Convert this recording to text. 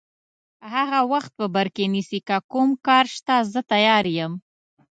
هغه وخت په بر کې نیسي، که کوم کار شته زه تیار یم.